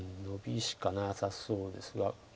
ノビしかなさそうですが。